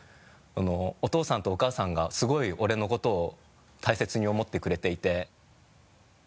あのお父さんとお母さんがすごい俺のことを大切に思ってくれていて。